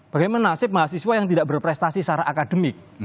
bagaimana nasib mahasiswa yang tidak berprestasi secara akademik